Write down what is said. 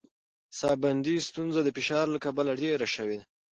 ساه بندي ستونزه د فشار له کبله ډېره شوې ده.